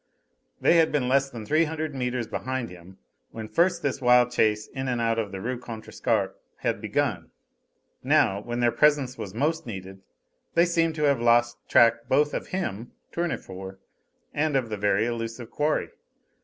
They had been less than three hundred metres behind him when first this wild chase in and out of the Rue Contrescarpe had begun. Now, when their presence was most needed, they seemed to have lost track both of him Tournefort and of the very elusive quarry.